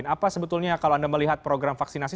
apa sebetulnya kalau anda melihat program vaksinasi